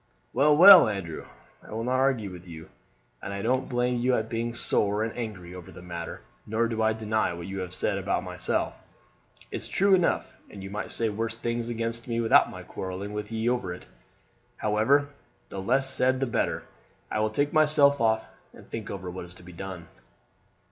"Well, well, Andrew, I will not argue with you, and I don't blame you at being sore and angry over the matter; nor do I deny what you have said about myself; it's true enough, and you might say worse things against me without my quarreling with ye over it. However, the less said the better. I will take myself off and think over what's to be done."